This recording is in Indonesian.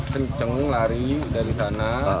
kenceng lari dari sana